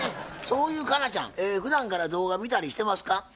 そういう佳奈ちゃんふだんから動画見たりしてますか？